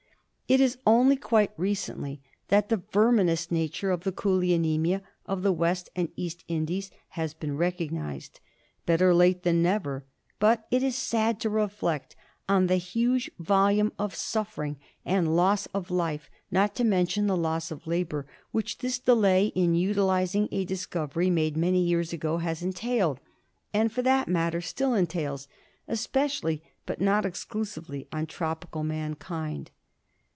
It is only quite recently that the verminous nature of the coolie anaemia of the West and East Indies has been recognised. Better late than never; but it is sad to reflect on the huge volume of suffering and loss of life, not to mention the loss of labour, which this delay in utilising a discovery made many years ago has entailed, and for that matter still entails, especially, but not exclusively, on tropical mankind.